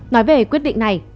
nói về quyết định này